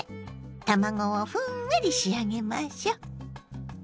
卵をふんわり仕上げましょ。